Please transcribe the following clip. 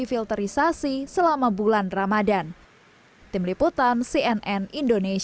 filterisasi selama bulan ramadan tim liputan cnn indonesia